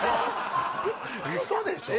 ウソでしょ